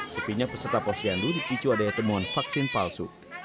sepinya peserta pos yandu dipicu adanya temuan vaksin palsu